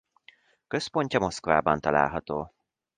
Központja Moszkvában található.